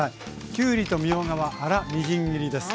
きゅうりとみょうがは粗みじん切りです。